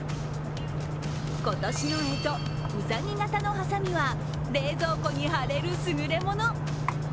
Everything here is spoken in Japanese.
今年の干支、うさぎ型のはさみは冷蔵庫に貼れるすぐれもの。